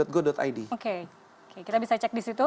oke kita bisa cek di situ